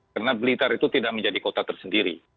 karena blitar itu tidak menjadi kota tersendiri